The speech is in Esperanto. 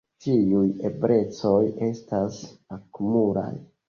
Ĉiuj eblecoj estas akumulaj.